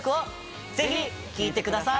ぜひ聴いてください。